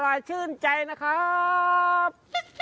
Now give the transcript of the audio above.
อร่อยชื่นใจนะครับ